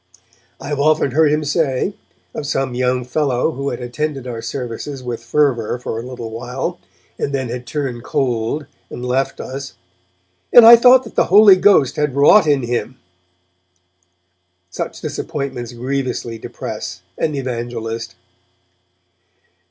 I have often heard him say, of some young fellow who had attended our services with fervour for a little while, and then had turned cold and left us, 'and I thought that the Holy Ghost had wrought in him!' Such disappointments grievously depress an evangelist.